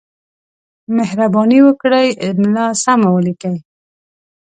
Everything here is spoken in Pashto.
مهرباني وکړئ! املا سمه ولیکئ!